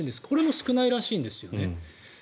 これも少ないらしいんですよね。